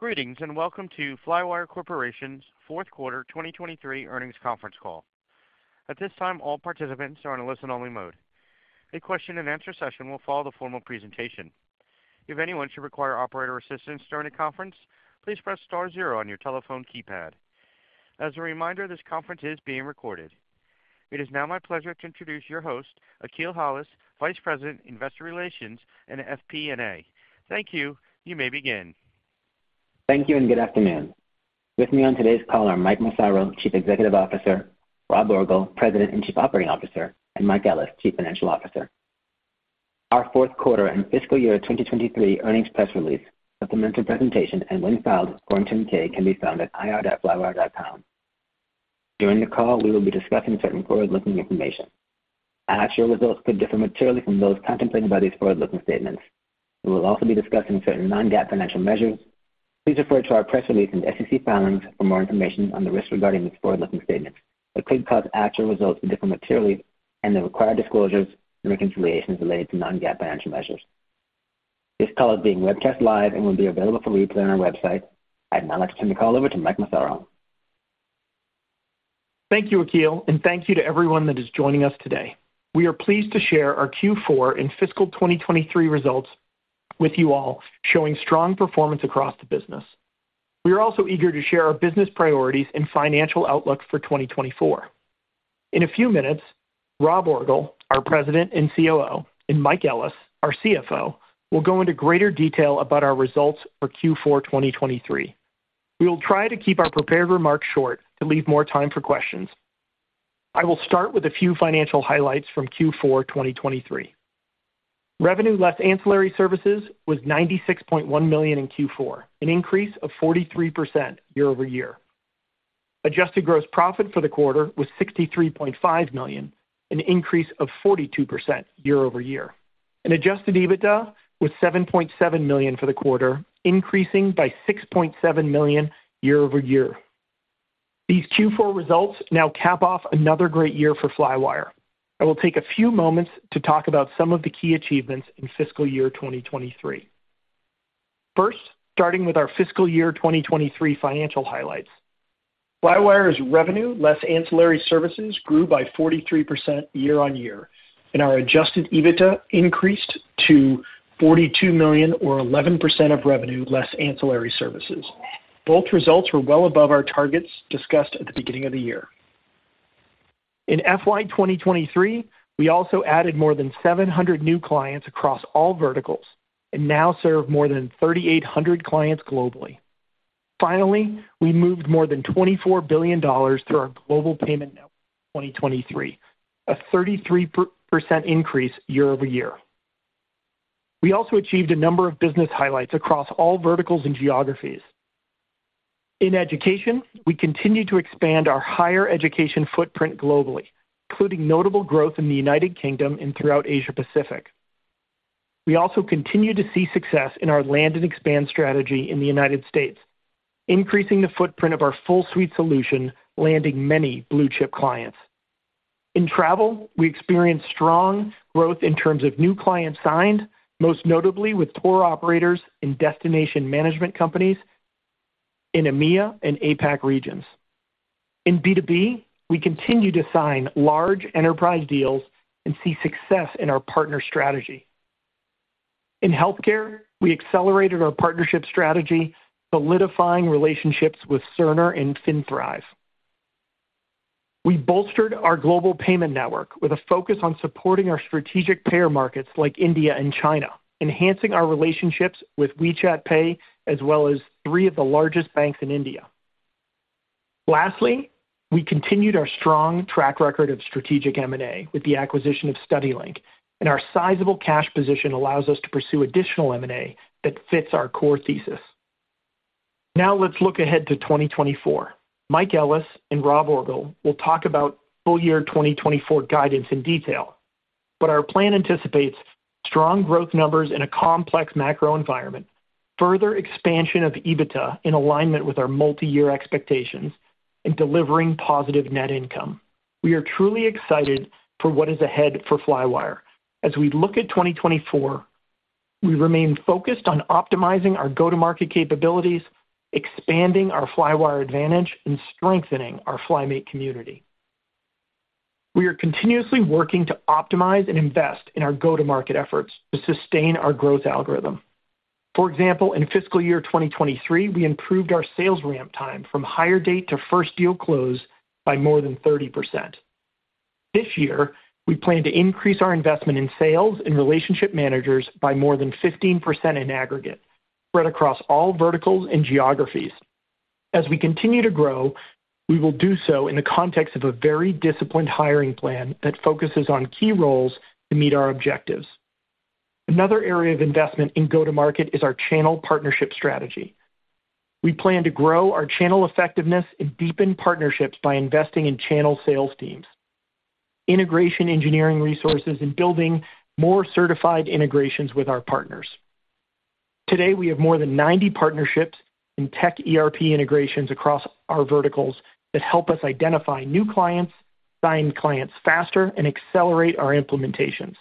Greetings, and welcome to Flywire Corporation's fourth quarter 2023 earnings conference call. At this time, all participants are on a listen-only mode. A question-and-answer session will follow the formal presentation. If anyone should require operator assistance during the conference, please press star zero on your telephone keypad. As a reminder, this conference is being recorded. It is now my pleasure to introduce your host, Akil Hollis, Vice President, Investor Relations and FP&A. Thank you. You may begin. Thank you, and good afternoon. With me on today's call are Mike Massaro, Chief Executive Officer, Rob Orgel, President and Chief Operating Officer, and Mike Ellis, Chief Financial Officer. Our fourth quarter and fiscal year 2023 earnings press release, supplemental presentation, and when filed, Form 10-K, can be found at ir.flywire.com. During the call, we will be discussing certain forward-looking information. Actual results could differ materially from those contemplated by these forward-looking statements. We will also be discussing certain non-GAAP financial measures. Please refer to our press release and SEC filings for more information on the risks regarding these forward-looking statements that could cause actual results to differ materially and the required disclosures and reconciliations related to non-GAAP financial measures. This call is being webcast live and will be available for replay on our website. I'd now like to turn the call over to Mike Massaro. Thank you, Akil, and thank you to everyone that is joining us today. We are pleased to share our Q4 and fiscal 2023 results with you all, showing strong performance across the business. We are also eager to share our business priorities and financial outlook for 2024. In a few minutes, Rob Orgel, our President and COO, will go into greater detail about our results for Q4 2023. We will try to keep our prepared remarks short to leave more time for questions. I will start with a few financial highlights from Q4 2023. Revenue, less ancillary services, was $96.1 million in Q4, an increase of 43% year-over-year. Adjusted gross profit for the quarter was $63.5 million, an increase of 42% year-over-year. Adjusted EBITDA was $7.7 million for the quarter, increasing by $6.7 million year-over-year. These Q4 results now cap off another great year for Flywire. I will take a few moments to talk about some of the key achievements in fiscal year 2023. First, starting with our fiscal year 2023 financial highlights. Flywire's revenue, less ancillary services, grew by 43% year-over-year, and our adjusted EBITDA increased to $42 million or 11% of revenue, less ancillary services. Both results were well above our targets discussed at the beginning of the year. In FY 2023, we also added more than 700 new clients across all verticals and now serve more than 3,800 clients globally. Finally, we moved more than $24 billion through our global payment network in 2023, a 33% increase year-over-year. We also achieved a number of business highlights across all verticals and geographies. In education, we continued to expand our higher education footprint globally, including notable growth in the United Kingdom and throughout Asia Pacific. We also continued to see success in our land and expand strategy in the United States, increasing the footprint of our full suite solution, landing many blue-chip clients. In travel, we experienced strong growth in terms of new clients signed, most notably with tour operators and destination management companies in EMEA and APAC regions. In B2B, we continue to sign large enterprise deals and see success in our partner strategy. In healthcare, we accelerated our partnership strategy, solidifying relationships with Cerner and FinThrive. We bolstered our global payment network with a focus on supporting our strategic payer markets like India and China, enhancing our relationships with WeChat Pay, as well as three of the largest banks in India. Lastly, we continued our strong track record of strategic M&A with the acquisition of StudyLink, and our sizable cash position allows us to pursue additional M&A that fits our core thesis. Now let's look ahead to 2024. Mike Ellis and Rob Orgel will talk about full year 2024 guidance in detail, but our plan anticipates strong growth numbers in a complex macro environment, further expansion of EBITDA in alignment with our multi-year expectations, and delivering positive net income. We are truly excited for what is ahead for Flywire. As we look at 2024, we remain focused on optimizing our go-to-market capabilities, expanding our Flywire Advantage, and strengthening our Flymate community. We are continuously working to optimize and invest in our go-to-market efforts to sustain our growth algorithm. For example, in fiscal year 2023, we improved our sales ramp time from hire date to first deal close by more than 30%. This year, we plan to increase our investment in sales and relationship managers by more than 15% in aggregate, spread across all verticals and geographies. As we continue to grow, we will do so in the context of a very disciplined hiring plan that focuses on key roles to meet our objectives. Another area of investment in go-to-market is our channel partnership strategy. We plan to grow our channel effectiveness and deepen partnerships by investing in channel sales teams, integration engineering resources, and building more certified integrations with our partners. Today, we have more than 90 partnerships and tech ERP integrations across our verticals that help us identify new clients, sign clients faster, and accelerate our implementations...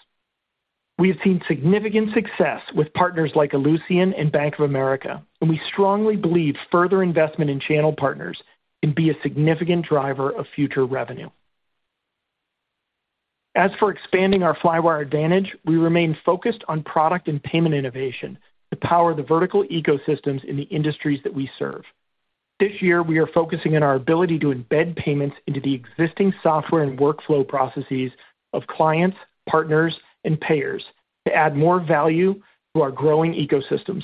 We have seen significant success with partners like Ellucian and Bank of America, and we strongly believe further investment in channel partners can be a significant driver of future revenue. As for expanding our Flywire Advantage, we remain focused on product and payment innovation to power the vertical ecosystems in the industries that we serve. This year, we are focusing on our ability to embed payments into the existing software and workflow processes of clients, partners, and payers to add more value to our growing ecosystems.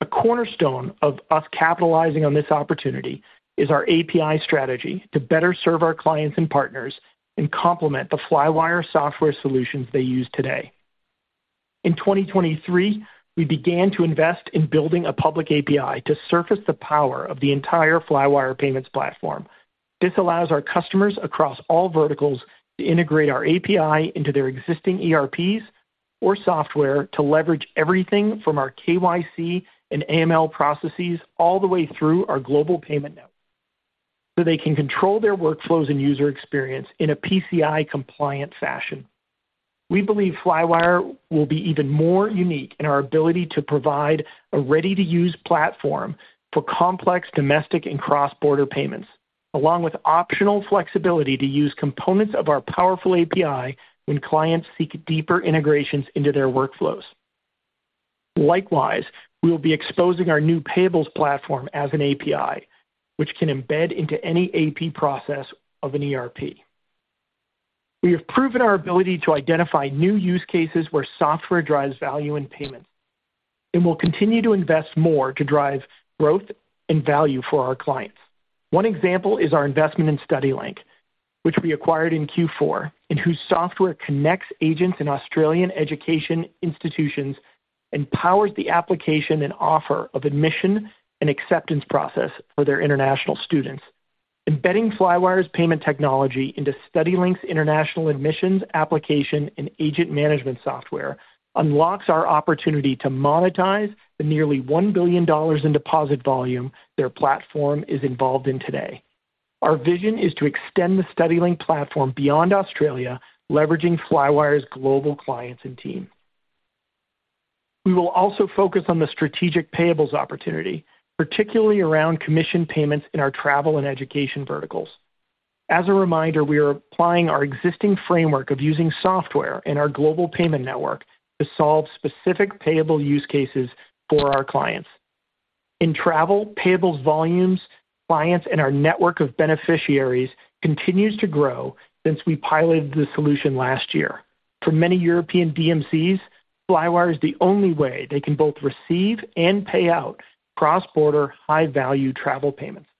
A cornerstone of our capitalizing on this opportunity is our API strategy to better serve our clients and partners and complement the Flywire software solutions they use today. In 2023, we began to invest in building a public API to surface the power of the entire Flywire payments platform. This allows our customers across all verticals to integrate our API into their existing ERPs or software to leverage everything from our KYC and AML processes all the way through our global payment network, so they can control their workflows and user experience in a PCI-compliant fashion. We believe Flywire will be even more unique in our ability to provide a ready-to-use platform for complex domestic and cross-border payments, along with optional flexibility to use components of our powerful API when clients seek deeper integrations into their workflows. Likewise, we will be exposing our new payables platform as an API, which can embed into any AP process of an ERP. We have proven our ability to identify new use cases where software drives value in payments, and we'll continue to invest more to drive growth and value for our clients. One example is our investment in StudyLink, which we acquired in Q4, and whose software connects agents in Australian education institutions and powers the application and offer of admission and acceptance process for their international students. Embedding Flywire's payment technology into StudyLink's international admissions application and agent management software unlocks our opportunity to monetize the nearly $1 billion in deposit volume their platform is involved in today. Our vision is to extend the StudyLink platform beyond Australia, leveraging Flywire's global clients and team. We will also focus on the strategic payables opportunity, particularly around commission payments in our travel and education verticals. As a reminder, we are applying our existing framework of using software in our global payment network to solve specific payable use cases for our clients. In travel, payables volumes, clients, and our network of beneficiaries continues to grow since we piloted the solution last year. For many European DMCs, Flywire is the only way they can both receive and pay out cross-border, high-value travel payments.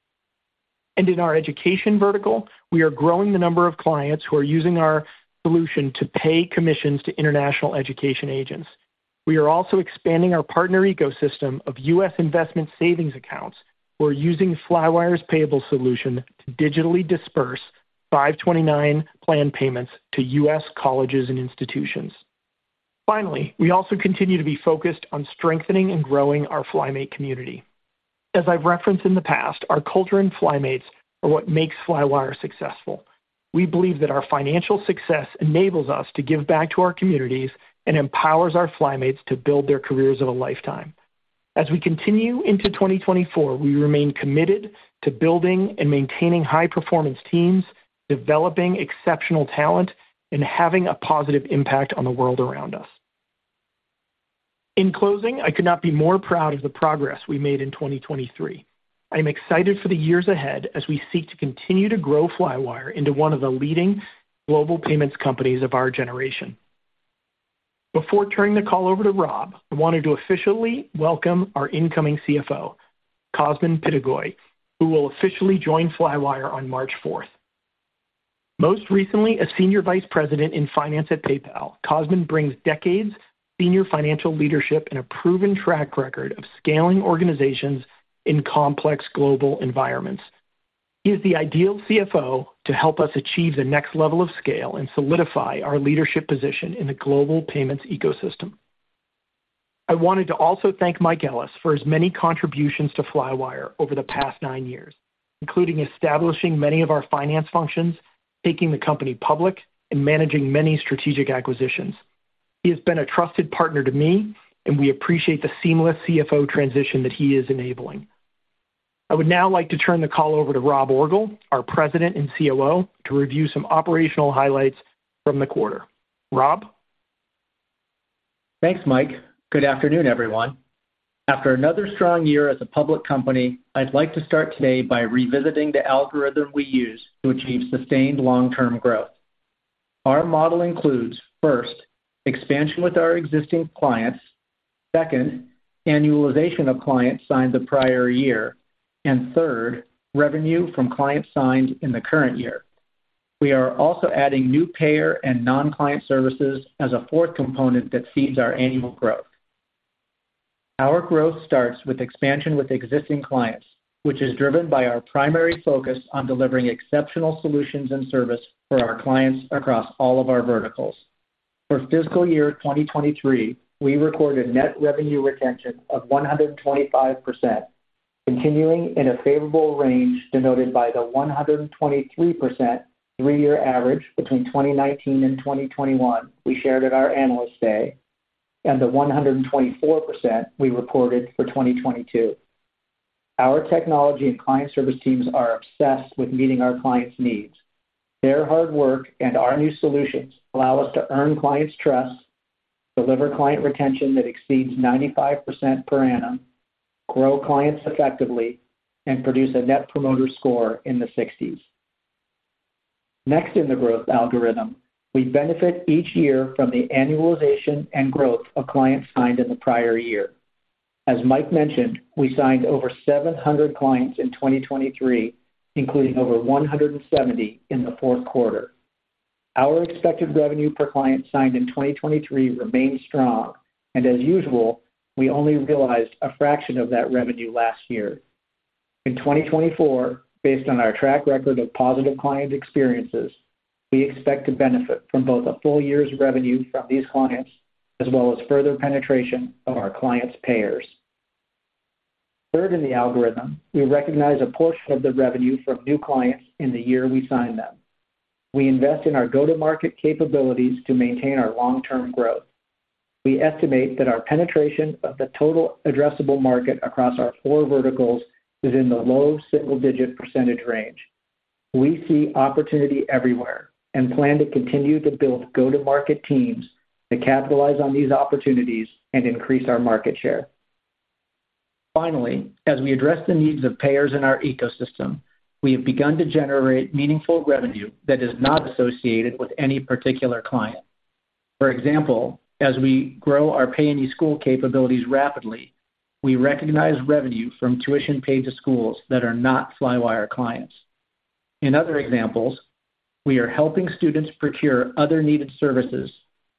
And in our education vertical, we are growing the number of clients who are using our solution to pay commissions to international education agents. We are also expanding our partner ecosystem of U.S. investment savings accounts, who are using Flywire's payable solution to digitally disburse 529 plan payments to U.S. colleges and institutions. Finally, we also continue to be focused on strengthening and growing our Flymate community. As I've referenced in the past, our culture and Flymates are what makes Flywire successful. We believe that our financial success enables us to give back to our communities and empowers our Flymates to build their careers of a lifetime. As we continue into 2024, we remain committed to building and maintaining high-performance teams, developing exceptional talent, and having a positive impact on the world around us. In closing, I could not be more proud of the progress we made in 2023. I am excited for the years ahead as we seek to continue to grow Flywire into one of the leading global payments companies of our generation. Before turning the call over to Rob, I wanted to officially welcome our incoming CFO, Cosmin Pitigoi, who will officially join Flywire on March 4. Most recently, a senior vice president in finance at PayPal, Cosmin brings decades of senior financial leadership and a proven track record of scaling organizations in complex global environments. He is the ideal CFO to help us achieve the next level of scale and solidify our leadership position in the global payments ecosystem. I wanted to also thank Mike Ellis for his many contributions to Flywire over the past nine years, including establishing many of our finance functions, taking the company public, and managing many strategic acquisitions. He has been a trusted partner to me, and we appreciate the seamless CFO transition that he is enabling. I would now like to turn the call over to Rob Orgel, our President and COO, to review some operational highlights from the quarter. Rob? Thanks, Mike. Good afternoon, everyone. After another strong year as a public company, I'd like to start today by revisiting the algorithm we use to achieve sustained long-term growth. Our model includes, first, expansion with our existing clients, second, annualization of clients signed the prior year, and third, revenue from clients signed in the current year. We are also adding new payer and non-client services as a fourth component that feeds our annual growth. Our growth starts with expansion with existing clients, which is driven by our primary focus on delivering exceptional solutions and service for our clients across all of our verticals. For fiscal year 2023, we recorded net revenue retention of 125%.... Continuing in a favorable range denoted by the 123% three-year average between 2019 and 2021 we shared at our Analyst Day, and the 124% we reported for 2022. Our technology and client service teams are obsessed with meeting our clients' needs. Their hard work and our new solutions allow us to earn clients' trust, deliver client retention that exceeds 95% per annum, grow clients effectively, and produce a net promoter score in the sixties. Next in the growth algorithm, we benefit each year from the annualization and growth of clients signed in the prior year. As Mike mentioned, we signed over 700 clients in 2023, including over 170 in the fourth quarter. Our expected revenue per client signed in 2023 remains strong, and as usual, we only realized a fraction of that revenue last year. In 2024, based on our track record of positive client experiences, we expect to benefit from both a full year's revenue from these clients, as well as further penetration of our clients' payers. Third, in the algorithm, we recognize a portion of the revenue from new clients in the year we sign them. We invest in our go-to-market capabilities to maintain our long-term growth. We estimate that our penetration of the total addressable market across our four verticals is in the low single-digit % range. We see opportunity everywhere, and plan to continue to build go-to-market teams to capitalize on these opportunities and increase our market share. Finally, as we address the needs of payers in our ecosystem, we have begun to generate meaningful revenue that is not associated with any particular client. For example, as we grow our pay any school capabilities rapidly, we recognize revenue from tuition paid to schools that are not Flywire clients. In other examples, we are helping students procure other needed services,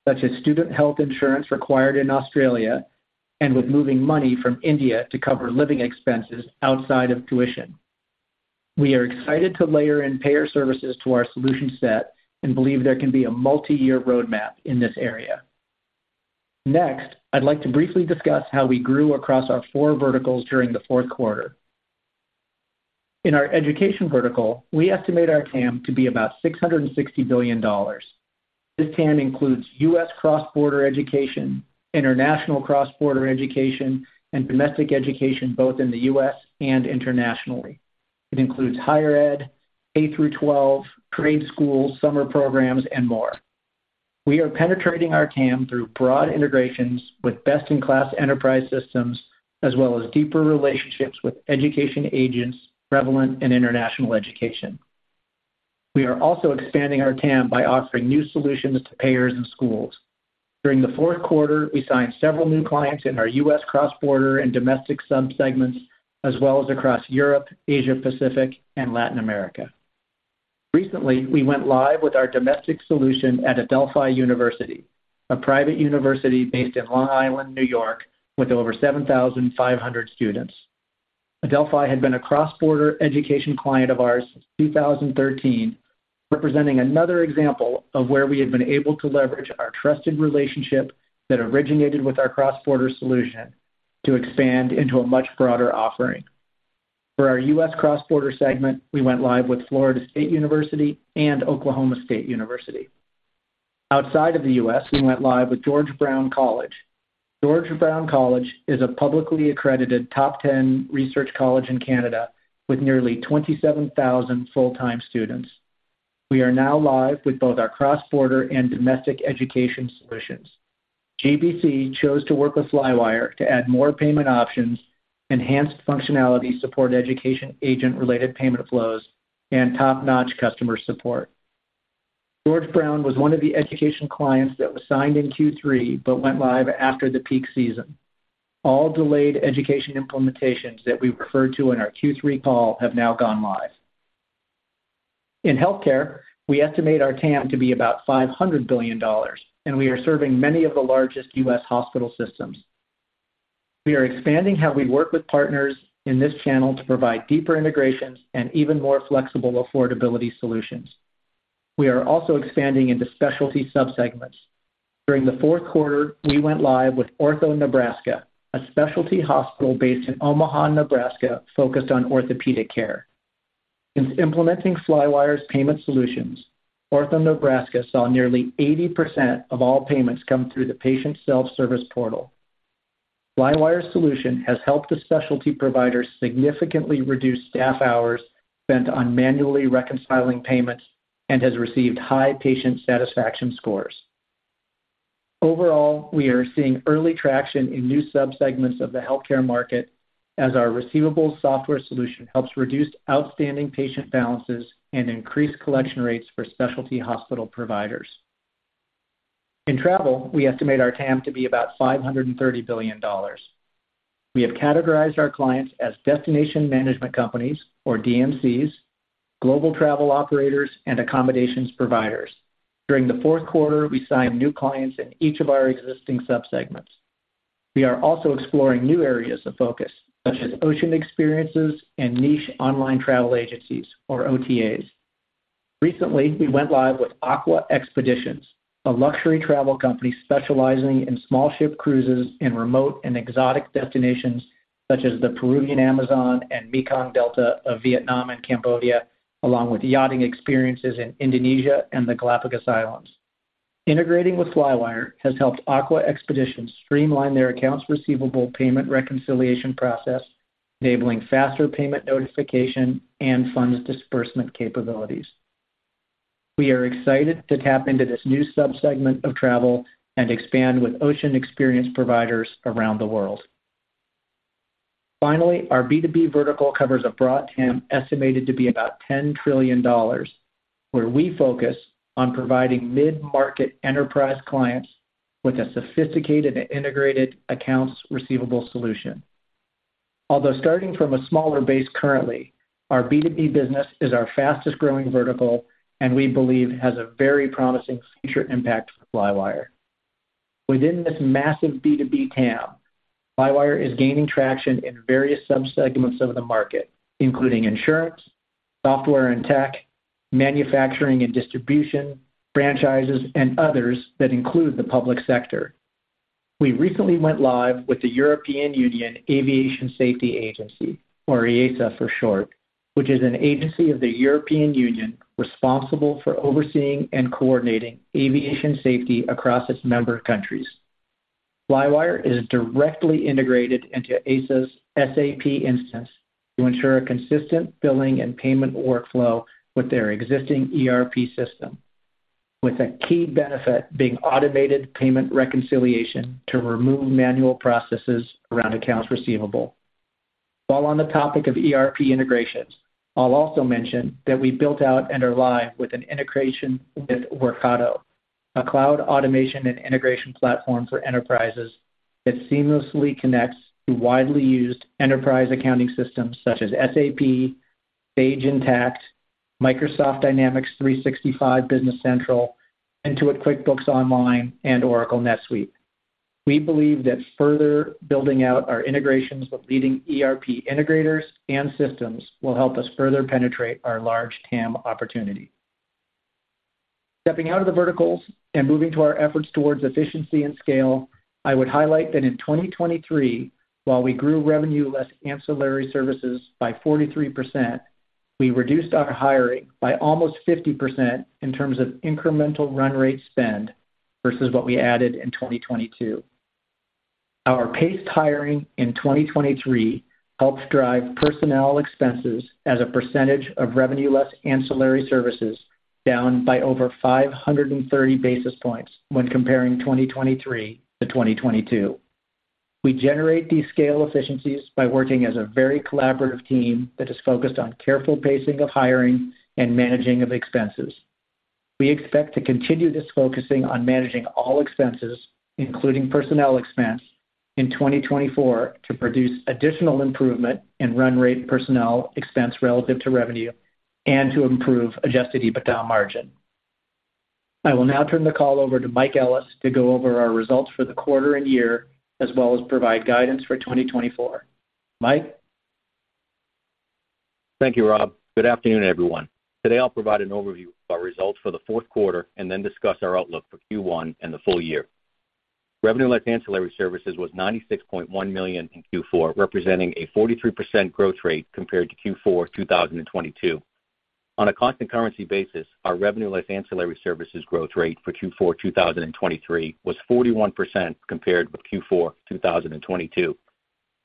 such as student health insurance required in Australia, and with moving money from India to cover living expenses outside of tuition. We are excited to layer in payer services to our solution set and believe there can be a multiyear roadmap in this area. Next, I'd like to briefly discuss how we grew across our four verticals during the fourth quarter. In our education vertical, we estimate our TAM to be about $660 billion. This TAM includes U.S. cross-border education, international cross-border education, and domestic education, both in the U.S. and internationally. It includes higher ed, K through 12, trade schools, summer programs, and more. We are penetrating our TAM through broad integrations with best-in-class enterprise systems, as well as deeper relationships with education agents, prevalent and international education. We are also expanding our TAM by offering new solutions to payers and schools. During the fourth quarter, we signed several new clients in our U.S. cross-border and domestic subsegments, as well as across Europe, Asia Pacific, and Latin America. Recently, we went live with our domestic solution at Adelphi University, a private university based in Long Island, New York, with over 7,500 students. Adelphi had been a cross-border education client of ours since 2013, representing another example of where we had been able to leverage our trusted relationship that originated with our cross-border solution to expand into a much broader offering. For our U.S. cross-border segment, we went live with Florida State University and Oklahoma State University. Outside of the U.S., we went live with George Brown College. George Brown College is a publicly accredited top 10 research college in Canada with nearly 27,000 full-time students. We are now live with both our cross-border and domestic education solutions. GBC chose to work with Flywire to add more payment options, enhanced functionality, support education agent-related payment flows, and top-notch customer support. George Brown was one of the education clients that was signed in Q3 but went live after the peak season. All delayed education implementations that we referred to in our Q3 call have now gone live. In healthcare, we estimate our TAM to be about $500 billion, and we are serving many of the largest U.S. hospital systems. We are expanding how we work with partners in this channel to provide deeper integrations and even more flexible affordability solutions. We are also expanding into specialty subsegments. During the fourth quarter, we went live with OrthoNebraska, a specialty hospital based in Omaha, Nebraska, focused on orthopedic care. Since implementing Flywire's payment solutions, OrthoNebraska saw nearly 80% of all payments come through the patient self-service portal. Flywire's solution has helped the specialty providers significantly reduce staff hours spent on manually reconciling payments and has received high patient satisfaction scores. Overall, we are seeing early traction in new subsegments of the healthcare market as our receivables software solution helps reduce outstanding patient balances and increase collection rates for specialty hospital providers. In travel, we estimate our TAM to be about $530 billion. We have categorized our clients as destination management companies, or DMCs, global travel operators, and accommodations providers. During the fourth quarter, we signed new clients in each of our existing subsegments. We are also exploring new areas of focus, such as ocean experiences and niche online travel agencies, or OTAs. Recently, we went live with Aqua Expeditions, a luxury travel company specializing in small ship cruises in remote and exotic destinations such as the Peruvian Amazon and Mekong Delta of Vietnam and Cambodia, along with yachting experiences in Indonesia and the Galapagos Islands. Integrating with Flywire has helped Aqua Expeditions streamline their accounts receivable payment reconciliation process, enabling faster payment notification and funds disbursement capabilities. We are excited to tap into this new subsegment of travel and expand with ocean experience providers around the world. Finally, our B2B vertical covers a broad TAM, estimated to be about $10 trillion, where we focus on providing mid-market enterprise clients with a sophisticated and integrated accounts receivable solution. Although starting from a smaller base currently, our B2B business is our fastest-growing vertical, and we believe has a very promising future impact for Flywire. Within this massive B2B TAM, Flywire is gaining traction in various subsegments of the market, including insurance, software and tech, manufacturing and distribution, franchises, and others that include the public sector. We recently went live with the European Union Aviation Safety Agency, or EASA for short, which is an agency of the European Union responsible for overseeing and coordinating aviation safety across its member countries. Flywire is directly integrated into EASA's SAP instance to ensure a consistent billing and payment workflow with their existing ERP system, with a key benefit being automated payment reconciliation to remove manual processes around accounts receivable. While on the topic of ERP integrations, I'll also mention that we built out and are live with an integration with Workato, a cloud automation and integration platform for enterprises that seamlessly connects to widely used enterprise accounting systems such as SAP, Sage Intacct, Microsoft Dynamics 365 Business Central, Intuit QuickBooks Online, and Oracle NetSuite. We believe that further building out our integrations with leading ERP integrators and systems will help us further penetrate our large TAM opportunity. Stepping out of the verticals and moving to our efforts towards efficiency and scale, I would highlight that in 2023, while we grew revenue less ancillary services by 43%, we reduced our hiring by almost 50% in terms of incremental run rate spend versus what we added in 2022. Our paced hiring in 2023 helped drive personnel expenses as a percentage of revenue, less ancillary services, down by over 530 basis points when comparing 2023 to 2022. We generate these scale efficiencies by working as a very collaborative team that is focused on careful pacing of hiring and managing of expenses. We expect to continue this focusing on managing all expenses, including personnel expense, in 2024, to produce additional improvement in run rate personnel expense relative to revenue and to improve Adjusted EBITDA margin. I will now turn the call over to Mike Ellis to go over our results for the quarter and year, as well as provide guidance for 2024. Mike? Thank you, Rob. Good afternoon, everyone. Today, I'll provide an overview of our results for the fourth quarter and then discuss our outlook for Q1 and the full year. Revenue, less ancillary services, was $96.1 million in Q4, representing a 43% growth rate compared to Q4 2022. On a constant currency basis, our revenue, less ancillary services growth rate for Q4 2023, was 41% compared with Q4 2022.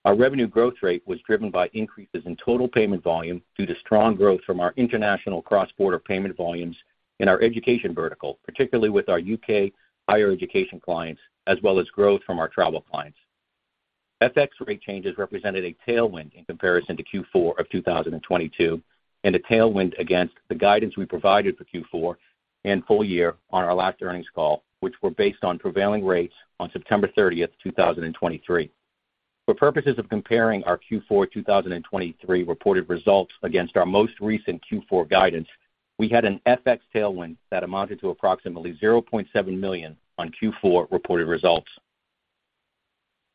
Our revenue growth rate was driven by increases in total payment volume due to strong growth from our international cross-border payment volumes in our education vertical, particularly with our U.K. higher education clients, as well as growth from our travel clients. FX rate changes represented a tailwind in comparison to Q4 of 2022, and a tailwind against the guidance we provided for Q4 and full year on our last earnings call, which were based on prevailing rates on September 30, 2023. For purposes of comparing our Q4 2023 reported results against our most recent Q4 guidance, we had an FX tailwind that amounted to approximately $0.7 million on Q4 reported results.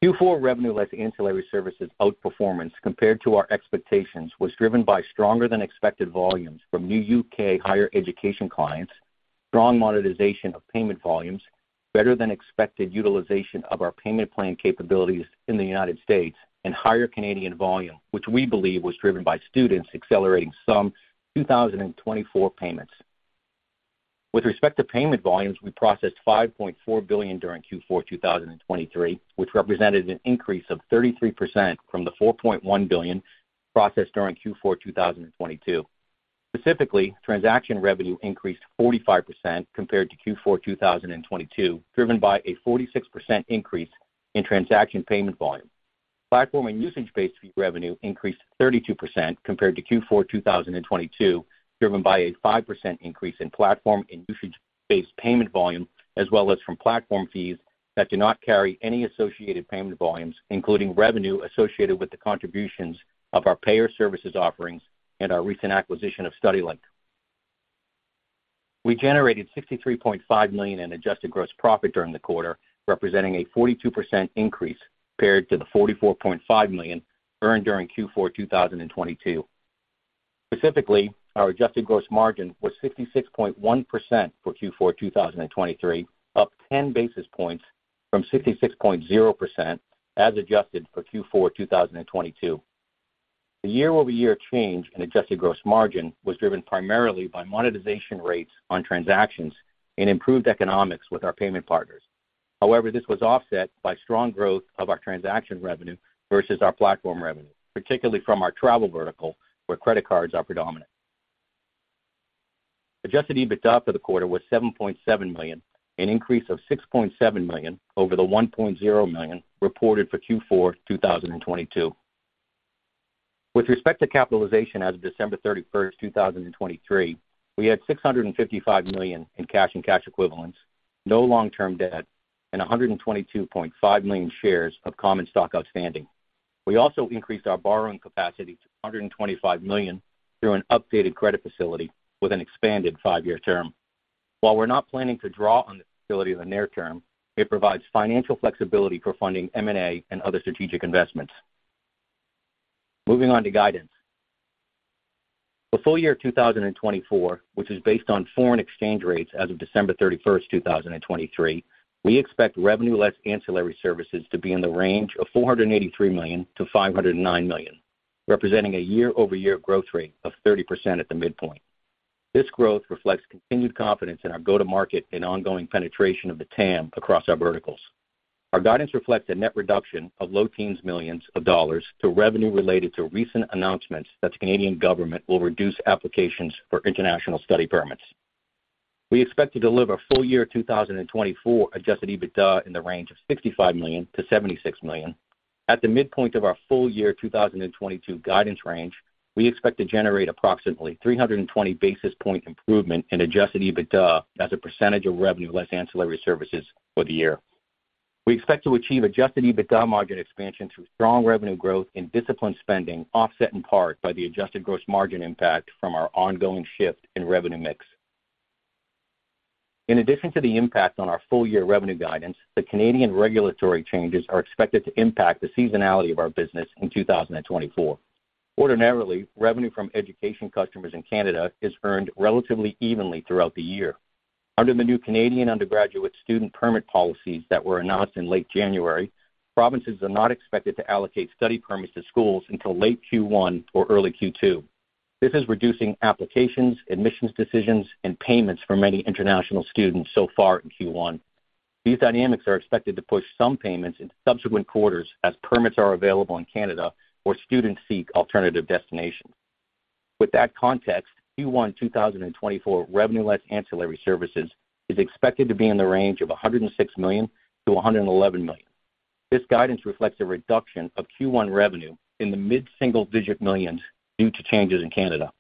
Q4 revenue, less ancillary services outperformance compared to our expectations, was driven by stronger than expected volumes from new U.K. higher education clients, strong monetization of payment volumes, better than expected utilization of our payment plan capabilities in the United States, and higher Canadian volume, which we believe was driven by students accelerating some 2024 payments. With respect to payment volumes, we processed $5.4 billion during Q4 2023, which represented an increase of 33% from the $4.1 billion processed during Q4 2022. Specifically, transaction revenue increased 45% compared to Q4 2022, driven by a 46% increase in transaction payment volume. Platform and usage-based fee revenue increased 32% compared to Q4 2022, driven by a 5% increase in platform and usage-based payment volume, as well as from platform fees that do not carry any associated payment volumes, including revenue associated with the contributions of our payer services offerings and our recent acquisition of StudyLink. We generated $63.5 million in adjusted gross profit during the quarter, representing a 42% increase compared to the $44.5 million earned during Q4 2022. Specifically, our adjusted gross margin was 66.1% for Q4 2023, up 10 basis points from 66.0%, as adjusted for Q4 2022. The year-over-year change in adjusted gross margin was driven primarily by monetization rates on transactions and improved economics with our payment partners. However, this was offset by strong growth of our transaction revenue versus our platform revenue, particularly from our travel vertical, where credit cards are predominant. Adjusted EBITDA for the quarter was $7.7 million, an increase of $6.7 million over the $1.0 million reported for Q4 2022. With respect to capitalization as of December 31, 2023, we had $655 million in cash and cash equivalents, no long-term debt, and 122.5 million shares of common stock outstanding. We also increased our borrowing capacity to $125 million through an updated credit facility with an expanded five-year term. While we're not planning to draw on this facility in the near term, it provides financial flexibility for funding M&A and other strategic investments. Moving on to guidance. For full year 2024, which is based on foreign exchange rates as of December 31, 2023, we expect revenue less ancillary services to be in the range of $483 million-$509 million, representing a year-over-year growth rate of 30% at the midpoint. This growth reflects continued confidence in our go-to-market and ongoing penetration of the TAM across our verticals. Our guidance reflects a net reduction of low teens million dollars to revenue related to recent announcements that the Canadian government will reduce applications for international study permits. We expect to deliver full year 2024 Adjusted EBITDA in the range of $65 million-$76 million. At the midpoint of our full year 2022 guidance range, we expect to generate approximately 320 basis point improvement in Adjusted EBITDA as a percentage of revenue less ancillary services for the year. We expect to achieve Adjusted EBITDA margin expansion through strong revenue growth and disciplined spending, offset in part by the Adjusted gross margin impact from our ongoing shift in revenue mix. In addition to the impact on our full-year revenue guidance, the Canadian regulatory changes are expected to impact the seasonality of our business in 2024. Ordinarily, revenue from education customers in Canada is earned relatively evenly throughout the year. Under the new Canadian undergraduate student permit policies that were announced in late January, provinces are not expected to allocate study permits to schools until late Q1 or early Q2. This is reducing applications, admissions decisions, and payments for many international students so far in Q1. These dynamics are expected to push some payments into subsequent quarters as permits are available in Canada or students seek alternative destinations. With that context, Q1 2024 revenue less ancillary services is expected to be in the range of $106 million-$111 million. This guidance reflects a reduction of Q1 revenue in the mid-single-digit millions due to changes in Canada.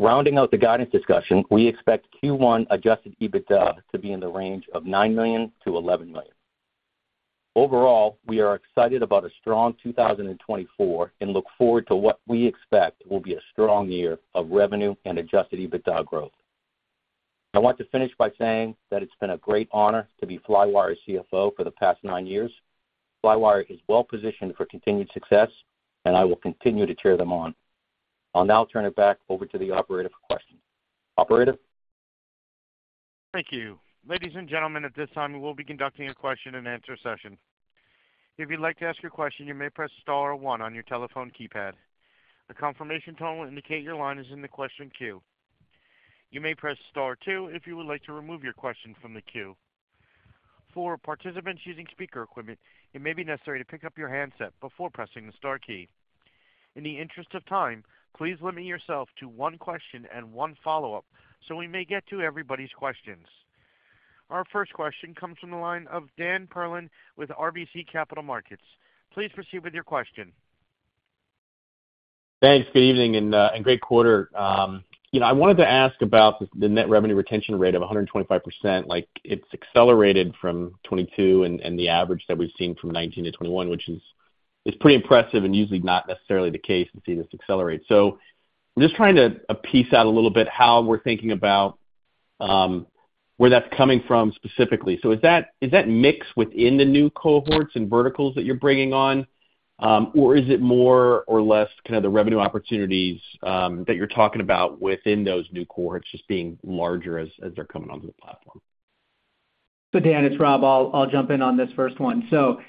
Rounding out the guidance discussion, we expect Q1 adjusted EBITDA to be in the range of $9 million-$11 million. Overall, we are excited about a strong 2024 and look forward to what we expect will be a strong year of revenue and adjusted EBITDA growth. I want to finish by saying that it's been a great honor to be Flywire's CFO for the past nine years. Flywire is well positioned for continued success, and I will continue to cheer them on. I'll now turn it back over to the operator for questions. Operator? Thank you. Ladies and gentlemen, at this time, we will be conducting a question-and-answer session. If you'd like to ask a question, you may press star or one on your telephone keypad. A confirmation tone will indicate your line is in the question queue. You may press star two if you would like to remove your question from the queue. For participants using speaker equipment, it may be necessary to pick up your handset before pressing the star key. In the interest of time, please limit yourself to one question and one follow-up so we may get to everybody's questions. Our first question comes from the line of Dan Perlin with RBC Capital Markets. Please proceed with your question. Thanks. Good evening and, and great quarter. You know, I wanted to ask about the, the net revenue retention rate of 125%. Like, it's accelerated from 2022 and, and the average that we've seen from 2019 to 2021, which is, is pretty impressive and usually not necessarily the case to see this accelerate. So I'm just trying to, piece out a little bit how we're thinking about, where that's coming from specifically. So is that, is that mix within the new cohorts and verticals that you're bringing on? Or is it more or less kind of the revenue opportunities, that you're talking about within those new cohorts just being larger as, as they're coming onto the platform? So Dan, it's Rob. I'll jump in on this first one. So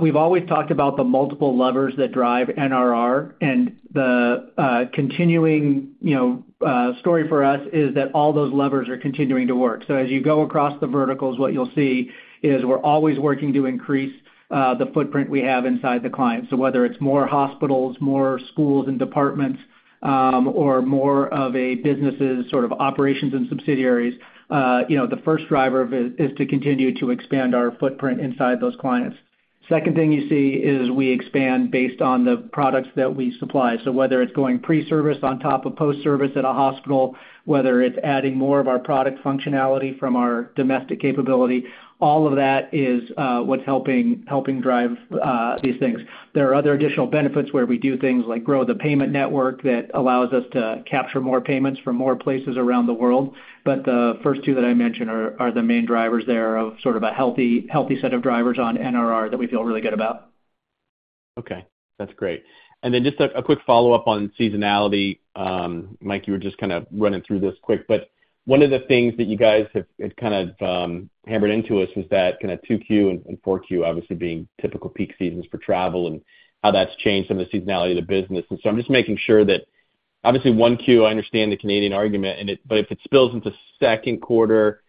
we've always talked about the multiple levers that drive NRR and the continuing, you know, story for us is that all those levers are continuing to work. So as you go across the verticals, what you'll see is we're always working to increase the footprint we have inside the client. So whether it's more hospitals, more schools and departments, or more of a business's sort of operations and subsidiaries, you know, the first driver of it is to continue to expand our footprint inside those clients. Second thing you see is we expand based on the products that we supply. So whether it's going pre-service on top of post-service at a hospital, whether it's adding more of our product functionality from our domestic capability, all of that is what's helping drive these things. There are other additional benefits where we do things like grow the payment network that allows us to capture more payments from more places around the world. But the first two that I mentioned are the main drivers there of sort of a healthy set of drivers on NRR that we feel really good about. Okay, that's great. And then just a quick follow-up on seasonality. Mike, you were just kind of running through this quick, but one of the things that you guys have kind of hammered into us is that kind of 2Q and 4Q obviously being typical peak seasons for travel and how that's changed some of the seasonality of the business. And so I'm just making sure that, obviously, 1Q, I understand the Canadian argument, and it, but if it spills into second quarter,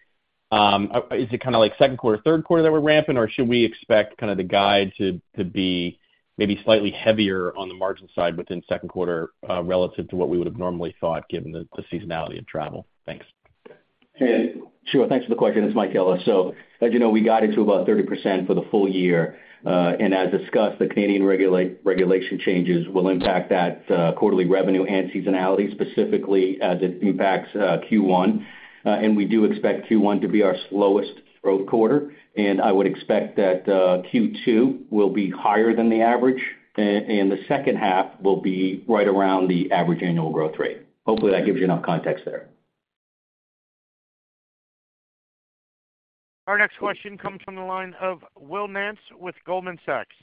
is it kind of like second quarter, third quarter that we're ramping? Or should we expect kind of the guide to be maybe slightly heavier on the margin side within second quarter, relative to what we would have normally thought, given the seasonality of travel? Thanks. Hey, sure. Thanks for the question. It's Mike Ellis. So as you know, we guided to about 30% for the full year. And as discussed, the Canadian regulation changes will impact that quarterly revenue and seasonality, specifically as it impacts Q1. And we do expect Q1 to be our slowest growth quarter, and I would expect that Q2 will be higher than the average, and the second half will be right around the average annual growth rate. Hopefully, that gives you enough context there. Our next question comes from the line of Will Nance with Goldman Sachs.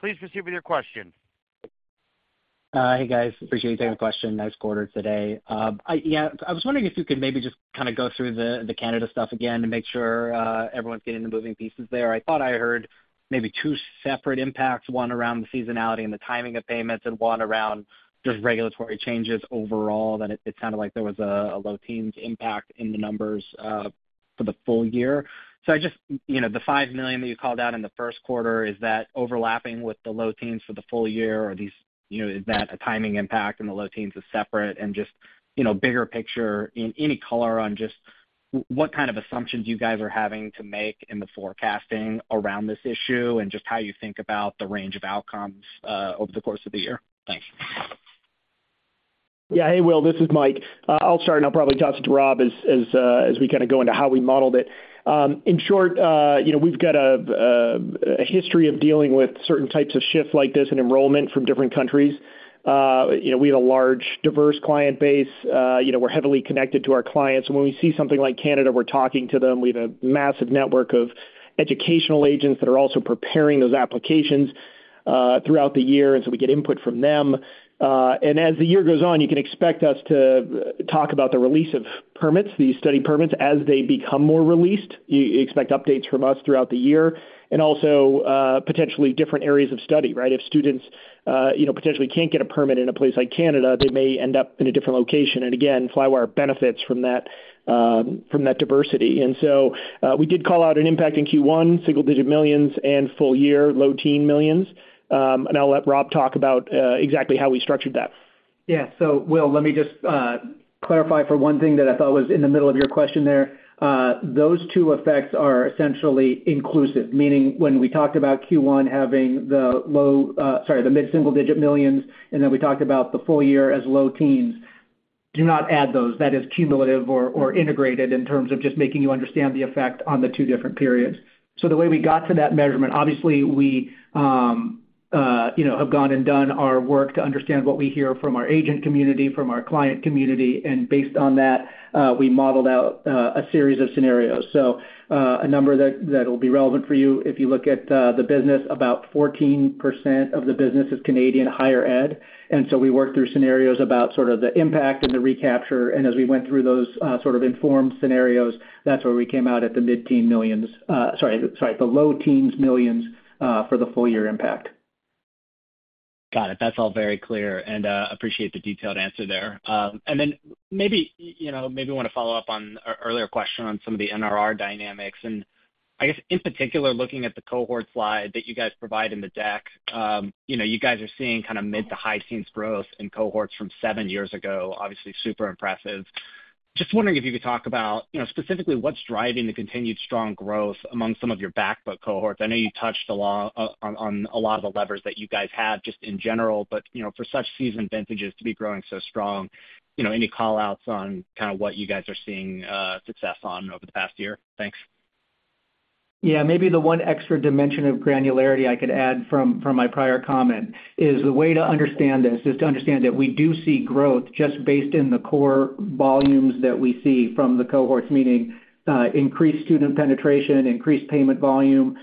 Please proceed with your question. Hey, guys, appreciate you taking the question. Nice quarter today. Yeah, I was wondering if you could maybe just kind of go through the Canada stuff again to make sure everyone's getting the moving pieces there. I thought I heard maybe two separate impacts, one around the seasonality and the timing of payments and one around just regulatory changes overall. That it sounded like there was a low teens impact in the numbers for the full year. So I just, you know, the $5 million that you called out in the first quarter, is that overlapping with the low teens for the full year? Or these, you know, is that a timing impact and the low teens is separate? Just, you know, bigger picture, in any color on just what kind of assumptions you guys are having to make in the forecasting around this issue and just how you think about the range of outcomes over the course of the year? Thanks. Yeah. Hey, Will, this is Mike. I'll start, and I'll probably toss it to Rob as we kind of go into how we modeled it. In short, you know, we've got a history of dealing with certain types of shifts like this in enrollment from different countries. You know, we have a large, diverse client base. You know, we're heavily connected to our clients, and when we see something like Canada, we're talking to them. We have a massive network of educational agents that are also preparing those applications throughout the year, and so we get input from them. And as the year goes on, you can expect us to talk about the release of permits, the study permits, as they become more released. You expect updates from us throughout the year and also, potentially different areas of study, right? If students, you know, potentially can't get a permit in a place like Canada, they may end up in a different location. And again, Flywire benefits from that, from that diversity. And so, we did call out an impact in Q1, $1 million-$9 million and full year, $11 million-$13 million. I'll let Rob talk about exactly how we structured that. Yeah. So Will, let me just clarify for one thing that I thought was in the middle of your question there. Those two effects are essentially inclusive, meaning when we talked about Q1 having the low, sorry, the mid-single-digit millions, and then we talked about the full year as low teens, do not add those. That is cumulative or, or integrated in terms of just making you understand the effect on the two different periods. So the way we got to that measurement, obviously, we, you know, have gone and done our work to understand what we hear from our agent community, from our client community, and based on that, we modeled out a series of scenarios. A number that will be relevant for you, if you look at the business, about 14% of the business is Canadian higher ed, and so we worked through scenarios about sort of the impact and the recapture. As we went through those sort of informed scenarios, that's where we came out at the $mid-teens millions, sorry, sorry, the $low-teens millions, for the full year impact. Got it. That's all very clear, and appreciate the detailed answer there. And then maybe, you know, maybe want to follow up on an earlier question on some of the NRR dynamics. And I guess, in particular, looking at the cohort slide that you guys provide in the deck, you know, you guys are seeing kind of mid- to high-teens growth in cohorts from seven years ago, obviously, super impressive. Just wondering if you could talk about, you know, specifically what's driving the continued strong growth among some of your backbook cohorts. I know you touched a lot on a lot of the levers that you guys have just in general, but, you know, for such seasoned vintages to be growing so strong, you know, any callouts on kind of what you guys are seeing success on over the past year? Thanks. Yeah, maybe the one extra dimension of granularity I could add from my prior comment is the way to understand this is to understand that we do see growth just based in the core volumes that we see from the cohorts. Meaning, increased student penetration, increased payment volume,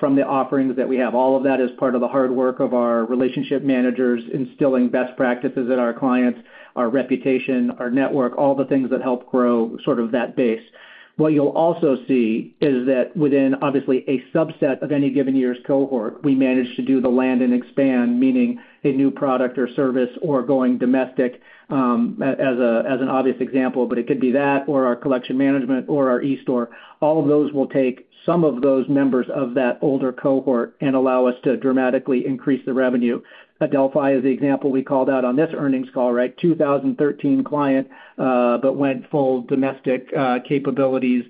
from the offerings that we have. All of that is part of the hard work of our relationship managers instilling best practices at our clients, our reputation, our network, all the things that help grow sort of that base. What you'll also see is that within obviously a subset of any given year's cohort, we manage to do the land and expand, meaning a new product or service or going domestic, as an obvious example, but it could be that or our collection management or our e-store. All of those will take some of those members of that older cohort and allow us to dramatically increase the revenue. Adelphi is the example we called out on this earnings call, right? 2013 client, but went full domestic capabilities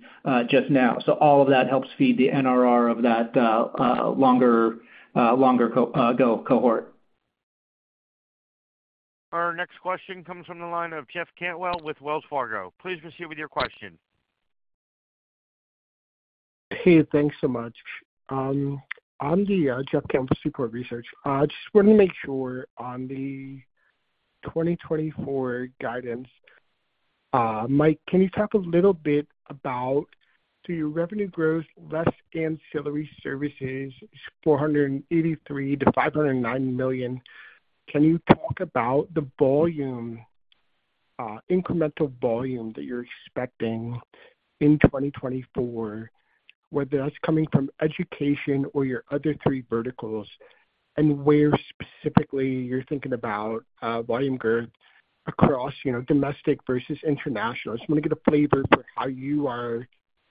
just now. So all of that helps feed the NRR of that longer cohort. Our next question comes from the line of Jeff Cantwell with Wells Fargo. Please proceed with your question. Hey, thanks so much. It's Jeff Cantwell, Seaport Research, just wanted to make sure on the 2024 guidance, Mike, can you talk a little bit about so your revenue growth, less ancillary services, is $483 million-$509 million. Can you talk about the volume, incremental volume that you're expecting in 2024, whether that's coming from education or your other three verticals, and where specifically you're thinking about, volume growth across, you know, domestic versus international? I just want to get a flavor for how you are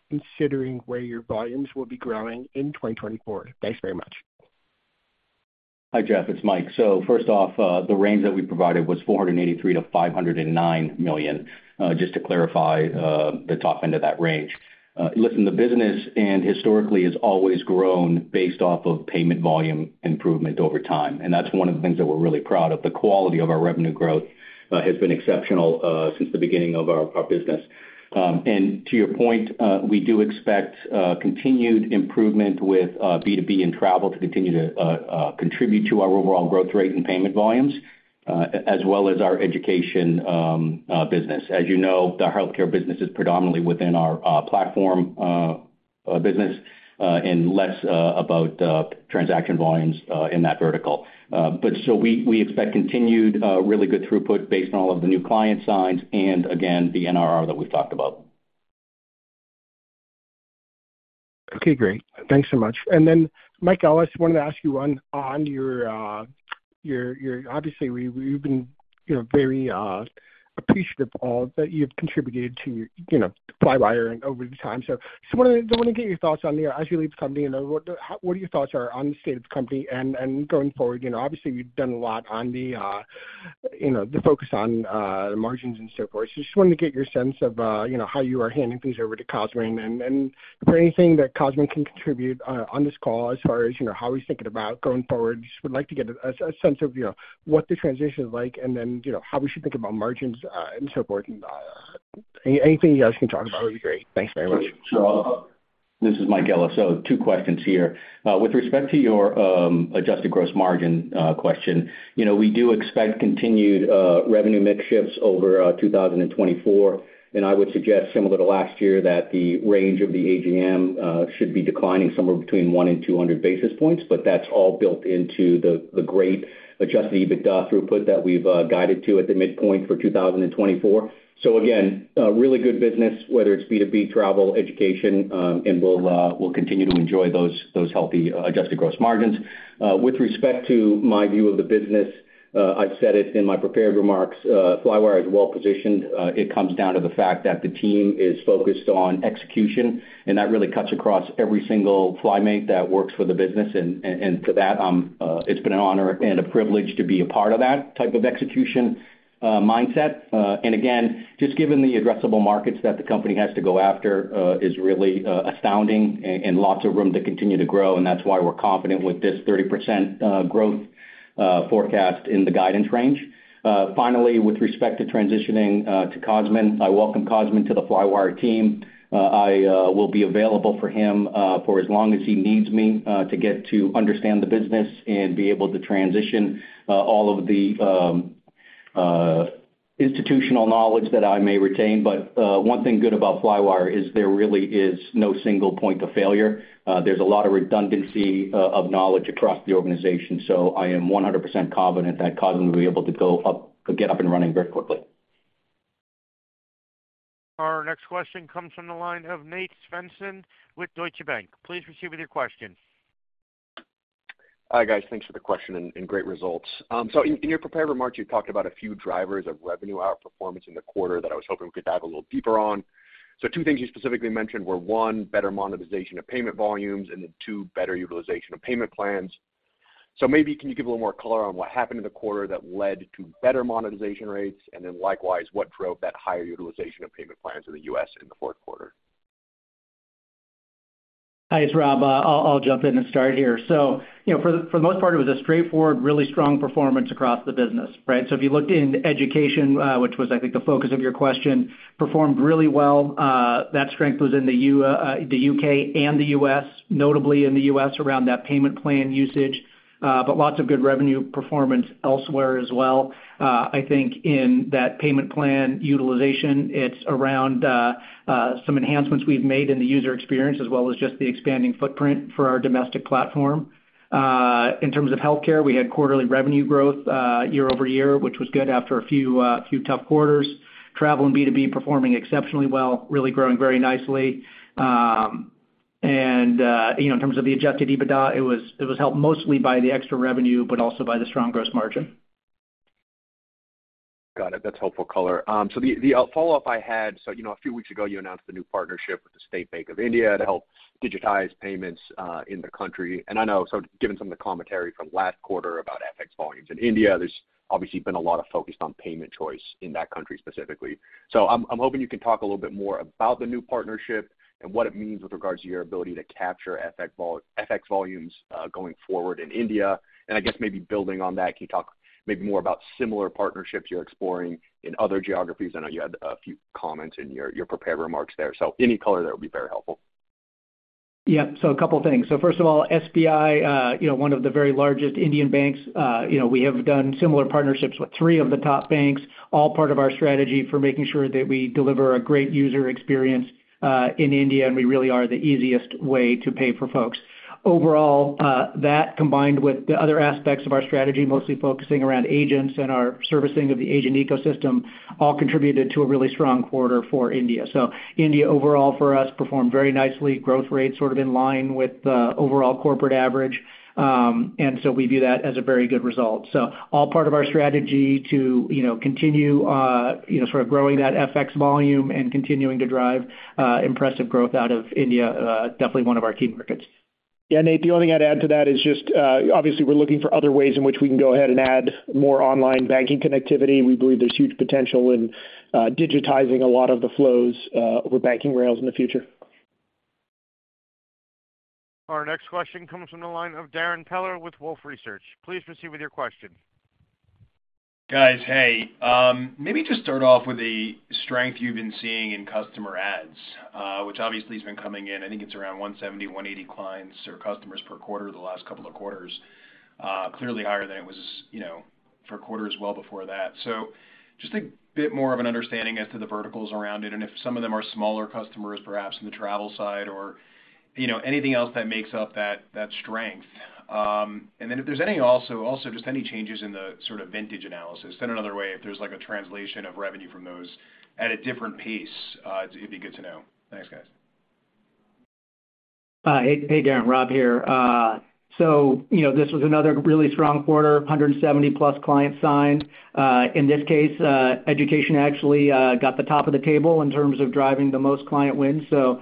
considering where your volumes will be growing in 2024. Thanks very much. Hi, Jeff, it's Mike. So first off, the range that we provided was $483 million-$509 million, just to clarify, the top end of that range. Listen, the business and historically has always grown based off of payment volume improvement over time, and that's one of the things that we're really proud of. The quality of our revenue growth has been exceptional since the beginning of our, our business. And to your point, we do expect continued improvement with B2B and travel to continue to contribute to our overall growth rate and payment volumes, as well as our education business. As you know, the healthcare business is predominantly within our platform business, and less about transaction volumes in that vertical. So we expect continued really good throughput based on all of the new client signs and again, the NRR that we've talked about. Okay, great. Thanks so much. And then, Mike Ellis, wanted to ask you on your – obviously, we've been, you know, very appreciative of all that you've contributed to, you know, Flywire over the time. So just wanted to get your thoughts on, as you leave the company, you know, what are your thoughts are on the state of the company and going forward? You know, obviously, you've done a lot on the, you know, the focus on margins and so forth. So just wanted to get your sense of, you know, how you are handing things over to Cosmin, and if there anything that Cosmin can contribute on this call as far as, you know, how he's thinking about going forward. Just would like to get a sense of, you know, what the transition is like, and then, you know, how we should think about margins, and so forth. Anything you guys can talk about would be great. Thanks very much. Sure. This is Mike Ellis. So two questions here. With respect to your adjusted gross margin question, you know, we do expect continued revenue mix shifts over 2024, and I would suggest, similar to last year, that the range of the AGM should be declining somewhere between 100-200 basis points. But that's all built into the great adjusted EBITDA throughput that we've guided to at the midpoint for 2024. So again, a really good business, whether it's B2B, travel, education, and we'll, we'll continue to enjoy those, those healthy adjusted gross margins. With respect to my view of the business, I've said it in my prepared remarks, Flywire is well positioned. It comes down to the fact that the team is focused on execution, and that really cuts across every single Flymate that works for the business. For that, it's been an honor and a privilege to be a part of that type of execution mindset. And again, just given the addressable markets that the company has to go after, is really astounding and lots of room to continue to grow, and that's why we're confident with this 30% growth forecast in the guidance range. Finally, with respect to transitioning to Cosmin, I welcome Cosmin to the Flywire team. I will be available for him for as long as he needs me to get to understand the business and be able to transition all of the institutional knowledge that I may retain. But one thing good about Flywire is there really is no single point of failure. There's a lot of redundancy of knowledge across the organization, so I am 100% confident that Cosmin will be able to get up and running very quickly. Our next question comes from the line of Nate Svensson with Deutsche Bank. Please proceed with your question. Hi, guys. Thanks for the question and great results. In your prepared remarks, you talked about a few drivers of revenue outperformance in the quarter that I was hoping we could dive a little deeper on. Two things you specifically mentioned were, one, better monetization of payment volumes, and then, two, better utilization of payment plans. Maybe can you give a little more color on what happened in the quarter that led to better monetization rates? And then likewise, what drove that higher utilization of payment plans in the U.S. in the fourth quarter? Hi, it's Rob. I'll jump in and start here. So you know, for the most part, it was a straightforward, really strong performance across the business, right? So if you looked in education, which was, I think, the focus of your question, performed really well. That strength was in the U.K. and the U.S., notably in the U.S., around that payment plan usage, but lots of good revenue performance elsewhere as well. I think in that payment plan utilization, it's around some enhancements we've made in the user experience, as well as just the expanding footprint for our domestic platform. In terms of healthcare, we had quarterly revenue growth year-over-year, which was good after a few tough quarters. Travel and B2B performing exceptionally well, really growing very nicely. You know, in terms of the Adjusted EBITDA, it was helped mostly by the extra revenue, but also by the strong gross margin. Got it. That's helpful color. So, the follow-up I had... So, you know, a few weeks ago, you announced the new partnership with the State Bank of India to help digitize payments in the country. And I know, so given some of the commentary from last quarter about FX volumes in India, there's obviously been a lot of focus on payment choice in that country specifically. So I'm hoping you can talk a little bit more about the new partnership and what it means with regards to your ability to capture FX volumes going forward in India. And I guess maybe building on that, can you talk maybe more about similar partnerships you're exploring in other geographies? I know you had a few comments in your prepared remarks there. So any color there would be very helpful. Yep, so a couple things. So first of all, SBI, you know, one of the very largest Indian banks, you know, we have done similar partnerships with three of the top banks, all part of our strategy for making sure that we deliver a great user experience in India, and we really are the easiest way to pay for folks. Overall, that combined with the other aspects of our strategy, mostly focusing around agents and our servicing of the agent ecosystem, all contributed to a really strong quarter for India. So India, overall for us, performed very nicely. Growth rate sort of in line with the overall corporate average. And so we view that as a very good result. So all part of our strategy to, you know, continue, you know, sort of growing that FX volume and continuing to drive impressive growth out of India, definitely one of our key markets. Yeah, Nate, the only thing I'd add to that is just, obviously, we're looking for other ways in which we can go ahead and add more online banking connectivity. We believe there's huge potential in digitizing a lot of the flows over banking rails in the future. Our next question comes from the line of Darrin Peller with Wolfe Research. Please proceed with your question. Guys, maybe just start off with the strength you've been seeing in customer adds, which obviously has been coming in. I think it's around 170, 180 clients or customers per quarter the last couple of quarters. Clearly higher than it was, you know, for quarters well before that. So just a bit more of an understanding as to the verticals around it, and if some of them are smaller customers, perhaps in the travel side or, you know, anything else that makes up that strength. And then if there's any also, just any changes in the sort of vintage analysis. Then another way, if there's like a translation of revenue from those at a different pace, it'd be good to know. Thanks, guys. Hey, Darrin, Rob here. So, you know, this was another really strong quarter, 170+ clients signed. In this case, education actually got the top of the table in terms of driving the most client wins, so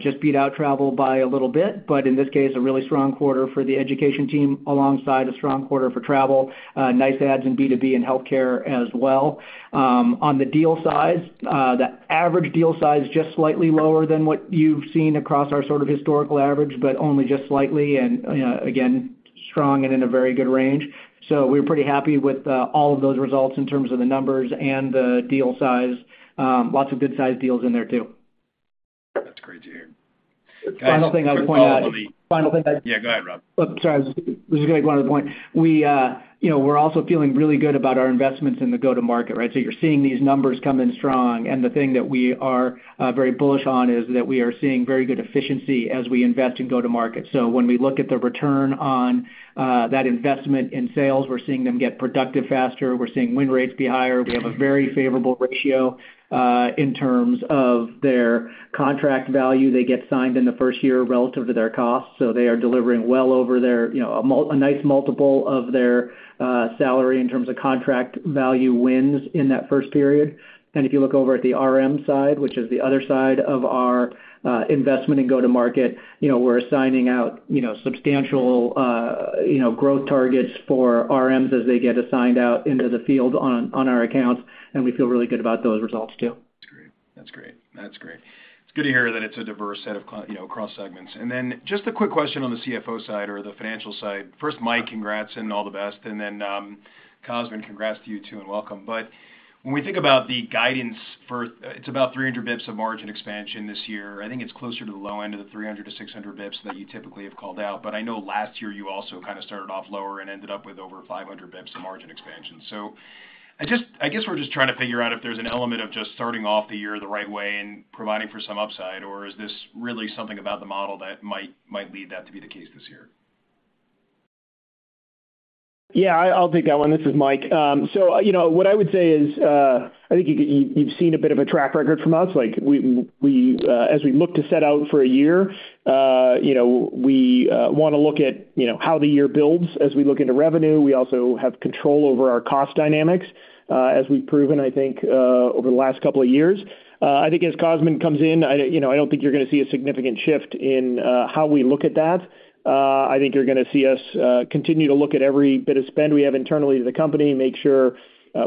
just beat out travel by a little bit, but in this case, a really strong quarter for the education team alongside a strong quarter for travel. Nice adds in B2B and healthcare as well. On the deal size, the average deal size just slightly lower than what you've seen across our sort of historical average, but only just slightly, and again, strong and in a very good range. So we're pretty happy with all of those results in terms of the numbers and the deal size. Lots of good size deals in there, too. That's great to hear. Final thing I would point out- Yeah, go ahead, Rob. Sorry, I was just gonna go to the point. We, you know, we're also feeling really good about our investments in the go-to-market, right? So you're seeing these numbers come in strong, and the thing that we are very bullish on is that we are seeing very good efficiency as we invest in go-to-market. So when we look at the return on that investment in sales, we're seeing them get productive faster. We're seeing win rates be higher. We have a very favorable ratio in terms of their contract value they get signed in the first year relative to their costs, so they are delivering well over their, you know, a nice multiple of their salary in terms of contract value wins in that first period. If you look over at the RM side, which is the other side of our investment in go-to-market, you know, we're assigning out, you know, substantial, you know, growth targets for RMs as they get assigned out into the field on our accounts, and we feel really good about those results, too. That's great. That's great. That's great. It's good to hear that it's a diverse set of, you know, cross segments. And then just a quick question on the CFO side or the financial side. First, Mike, congrats and all the best, and then, Cosmin, congrats to you, too, and welcome. But when we think about the guidance for, it's about 300 basis points of margin expansion this year. I think it's closer to the low end of the 300-600 basis points that you typically have called out. But I know last year you also kind of started off lower and ended up with over 500 basis points of margin expansion. So I guess we're just trying to figure out if there's an element of just starting off the year the right way and providing for some upside, or is this really something about the model that might lead that to be the case this year? Yeah, I'll take that one. This is Mike. So you know, what I would say is, I think you've seen a bit of a track record from us. Like, we as we look to set out for a year, you know, we want to look at, you know, how the year builds. As we look into revenue, we also have control over our cost dynamics, as we've proven, I think, over the last couple of years. I think as Cosmin comes in, you know, I don't think you're gonna see a significant shift in how we look at that. I think you're gonna see us continue to look at every bit of spend we have internally to the company, make sure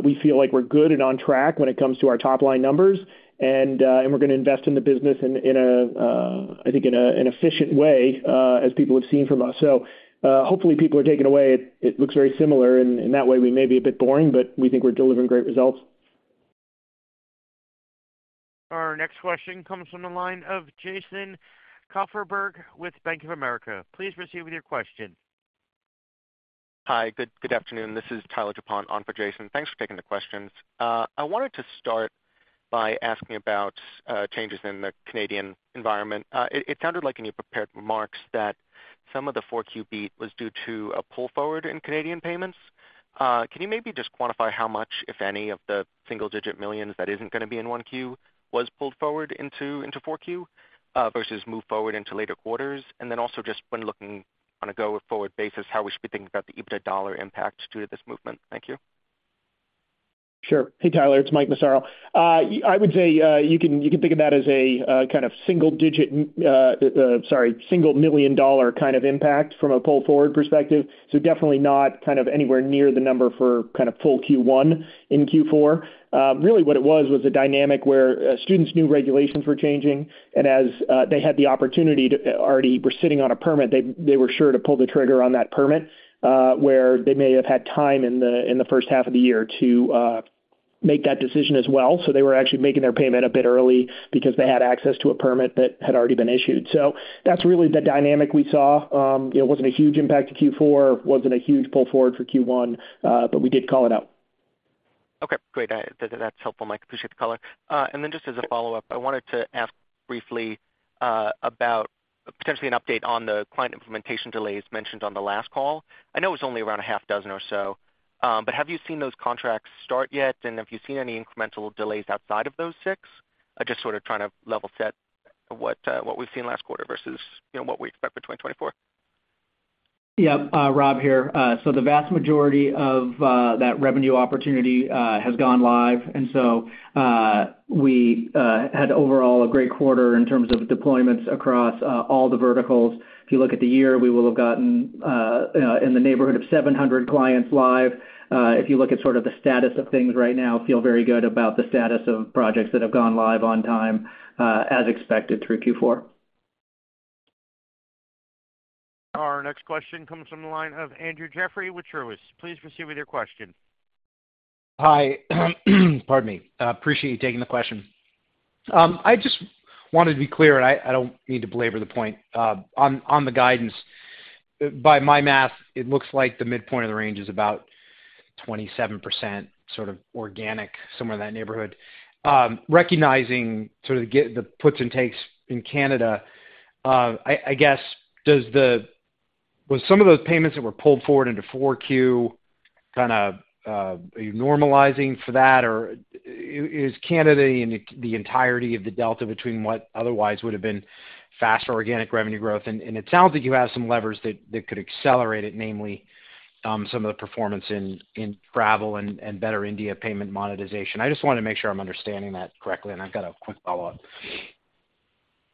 we feel like we're good and on track when it comes to our top-line numbers. And we're gonna invest in the business in an efficient way, I think, as people have seen from us. So, hopefully, people are taking away, it looks very similar, and that way we may be a bit boring, but we think we're delivering great results. Our next question comes from the line of Jason Kupferberg with Bank of America. Please proceed with your question. Hi, good, good afternoon. This is Tyler DuPont on for Jason. Thanks for taking the questions. I wanted to start by asking about changes in the Canadian environment. It sounded like in your prepared remarks that some of the 4Q beat was due to a pull forward in Canadian payments. Can you maybe just quantify how much, if any, of the $1-$9 million that isn't gonna be in 1Q, was pulled forward into 4Q versus moved forward into later quarters? And then also just when looking on a go-forward basis, how we should be thinking about the EBIT dollar impact due to this movement. Thank you. Sure. Hey, Tyler, it's Mike Massaro. I would say you can think of that as a kind of single digit, sorry, $1 million kind of impact from a pull forward perspective. So definitely not kind of anywhere near the number for kind of full Q1 in Q4. Really what it was was a dynamic where students knew regulations were changing, and as they had the opportunity to already were sitting on a permit, they were sure to pull the trigger on that permit, where they may have had time in the first half of the year to make that decision as well. So they were actually making their payment a bit early because they had access to a permit that had already been issued. So that's really the dynamic we saw. It wasn't a huge impact to Q4, wasn't a huge pull forward for Q1, but we did call it out. Okay, great. That, that's helpful, Mike. Appreciate the color. And then just as a follow-up, I wanted to ask briefly about potentially an update on the client implementation delays mentioned on the last call. I know it's only around 6 or so, but have you seen those contracts start yet? And have you seen any incremental delays outside of those 6? I'm just sort of trying to level set what, what we've seen last quarter versus, you know, what we expect for 2024. Yep. Rob here. So the vast majority of that revenue opportunity has gone live, and so we had overall a great quarter in terms of deployments across all the verticals. If you look at the year, we will have gotten, you know, in the neighborhood of 700 clients live. If you look at sort of the status of things right now, feel very good about the status of projects that have gone live on time, as expected through Q4. Our next question comes from the line of Andrew Jeffrey with Truist. Please proceed with your question. Hi. Pardon me. Appreciate you taking the question. I just wanted to be clear, and I don't need to belabor the point. On the guidance, by my math, it looks like the midpoint of the range is about 27%, sort of organic, somewhere in that neighborhood. Recognizing sort of the give - the puts and takes in Canada, I guess, does the... Was some of those payments that were pulled forward into Q4, kind of, are you normalizing for that? Or is Canada in the entirety of the delta between what otherwise would have been faster organic revenue growth? And it sounds like you have some levers that could accelerate it, namely, some of the performance in travel and better India payment monetization. I just wanna make sure I'm understanding that correctly, and I've got a quick follow-up.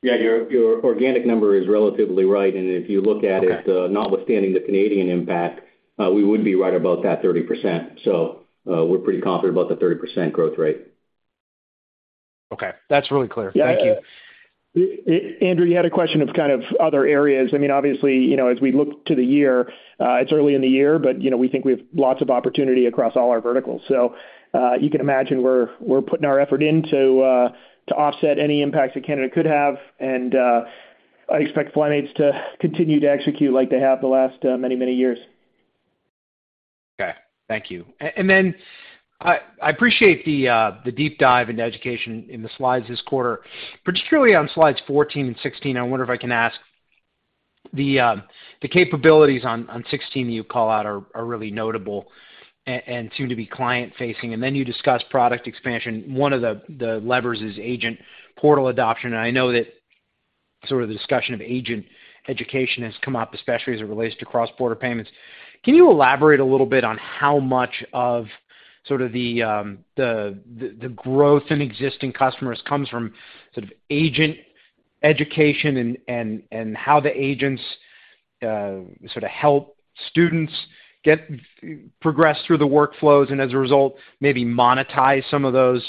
Yeah, your organic number is relatively right. Okay. If you look at it, notwithstanding the Canadian impact, we would be right about that 30%. We're pretty confident about the 30% growth rate. Okay. That's really clear. Thank you. Yeah. Andrew, you had a question of kind of other areas. I mean, obviously, you know, as we look to the year, it's early in the year, but, you know, we think we have lots of opportunity across all our verticals. So, you can imagine we're putting our effort in to offset any impacts that Canada could have, and, I expect Flymates to continue to execute like they have the last many, many years. Okay. Thank you. And then I, I appreciate the, the deep dive into education in the slides this quarter, particularly on slides 14 and 16. I wonder if I can ask, the, the capabilities on, on 16 you call out are, are really notable and seem to be client-facing, and then you discuss product expansion. One of the, the levers is agent portal adoption, and I know that sort of the discussion of agent education has come up, especially as it relates to cross-border payments. Can you elaborate a little bit on how much of sort of the, the, the growth in existing customers comes from sort of agent education and, and how the agents, sort of help students get progress through the workflows, and as a result, maybe monetize some of those,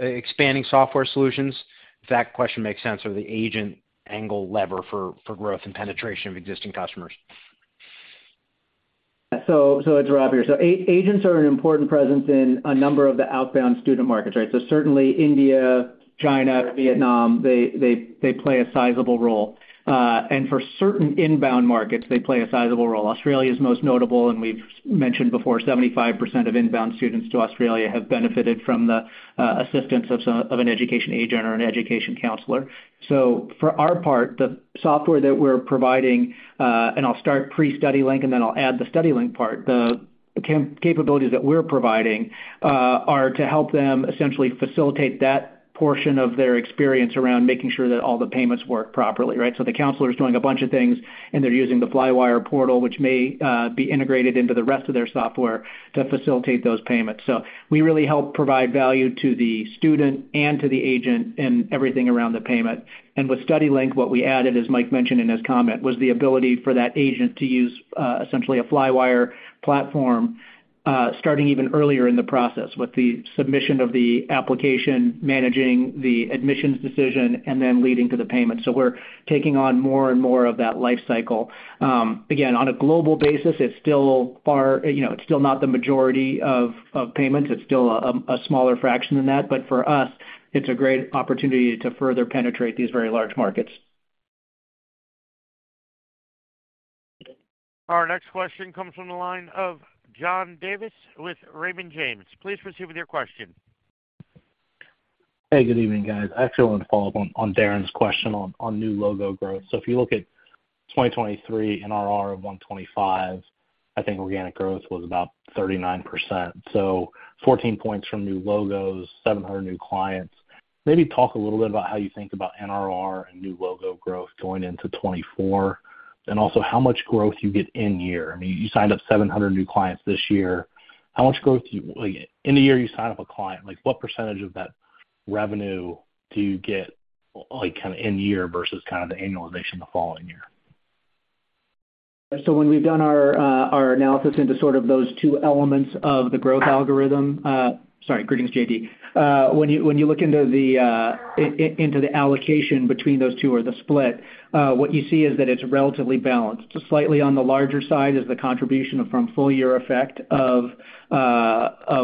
expanding software solutions? If that question makes sense, or the agent angle leverage for growth and penetration of existing customers. So it's Rob here. Agents are an important presence in a number of the outbound student markets, right? So certainly India, China, Vietnam, they play a sizable role. And for certain inbound markets, they play a sizable role. Australia is most notable, and we've mentioned before, 75% of inbound students to Australia have benefited from the assistance of some, of an education agent or an education counselor. So for our part, the software that we're providing, and I'll start pre-StudyLink, and then I'll add the StudyLink part. The capabilities that we're providing are to help them essentially facilitate that portion of their experience around making sure that all the payments work properly, right? So the counselor is doing a bunch of things, and they're using the Flywire portal, which may be integrated into the rest of their software to facilitate those payments. So we really help provide value to the student and to the agent and everything around the payment. And with StudyLink, what we added, as Mike mentioned in his comment, was the ability for that agent to use essentially a Flywire platform starting even earlier in the process, with the submission of the application, managing the admissions decision, and then leading to the payment. So we're taking on more and more of that life cycle. Again, on a global basis, it's still You know, it's still not the majority of payments. It's still a smaller fraction than that, but for us, it's a great opportunity to further penetrate these very large markets. Our next question comes from the line of John Davis with Raymond James. Please proceed with your question. Hey, good evening, guys. I actually wanted to follow up on Darrin's question on new logo growth. So if you look at 2023 NRR of 125, I think organic growth was about 39%. So 14 points from new logos, 700 new clients. Maybe talk a little bit about how you think about NRR and new logo growth going into 2024, and also how much growth you get in year. I mean, you signed up 700 new clients this year. How much growth do you like, in the year you sign up a client, like, what percentage of that revenue do you get, like, kind of in year versus kind of the annualization the following year? So when we've done our analysis into sort of those two elements of the growth algorithm, sorry, greetings, JD. When you look into the allocation between those two or the split, what you see is that it's relatively balanced. Slightly on the larger side is the contribution from full year effect of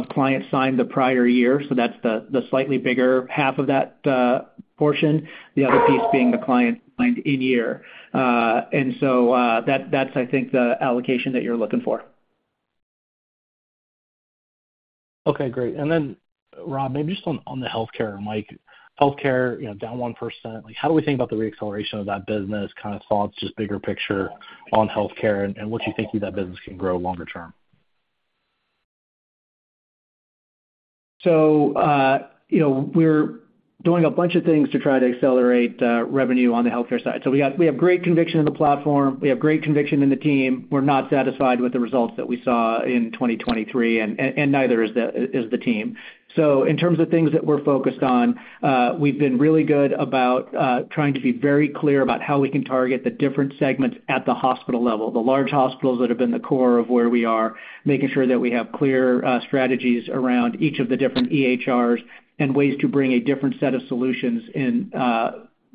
clients signed the prior year, so that's the slightly bigger half of that portion. The other piece being the clients signed in year. And so, that's, I think, the allocation that you're looking for. Okay, great. And then, Rob, maybe just on the healthcare and Mike. Healthcare, you know, down 1%. Like, how do we think about the reacceleration of that business, kind of thoughts, just bigger picture on healthcare and what you think that business can grow longer term? So, you know, we're doing a bunch of things to try to accelerate revenue on the healthcare side. So we have great conviction in the platform. We have great conviction in the team. We're not satisfied with the results that we saw in 2023, and neither is the team. So in terms of things that we're focused on, we've been really good about trying to be very clear about how we can target the different segments at the hospital level. The large hospitals that have been the core of where we are, making sure that we have clear strategies around each of the different EHRs, and ways to bring a different set of solutions in,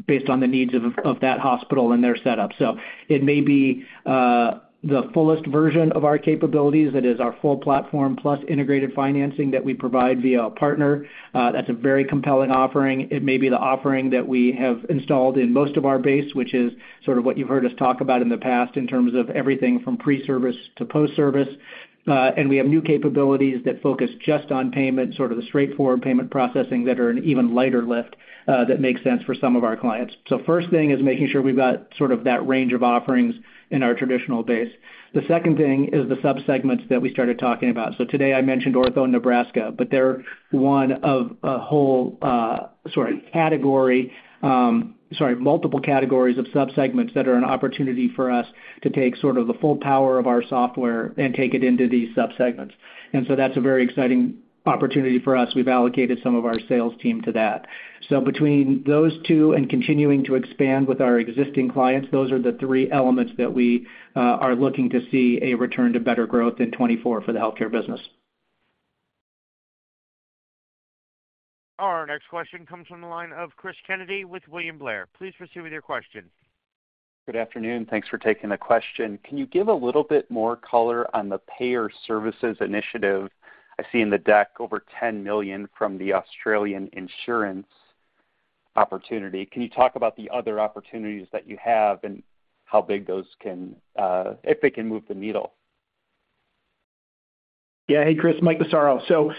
based on the needs of that hospital and their setup. So it may be the fullest version of our capabilities, that is our full platform plus integrated financing that we provide via a partner. That's a very compelling offering. It may be the offering that we have installed in most of our base, which is sort of what you've heard us talk about in the past, in terms of everything from pre-service to post-service. And we have new capabilities that focus just on payment, sort of the straightforward payment processing that are an even lighter lift, that makes sense for some of our clients. So first thing is making sure we've got sort of that range of offerings in our traditional base. The second thing is the subsegments that we started talking about. So today I mentioned Ortho Nebraska, but they're one of a whole category, multiple categories of subsegments that are an opportunity for us to take sort of the full power of our software and take it into these subsegments. And so that's a very exciting opportunity for us. We've allocated some of our sales team to that. So between those two and continuing to expand with our existing clients, those are the three elements that we are looking to see a return to better growth in 2024 for the healthcare business. Our next question comes from the line of Chris Kennedy with William Blair. Please proceed with your question. Good afternoon. Thanks for taking the question. Can you give a little bit more color on the payer services initiative? I see in the deck over $10 million from the Australian insurance opportunity. Can you talk about the other opportunities that you have and how big those can, if they can move the needle? Yeah. Hey, Chris, Mike Massaro. So,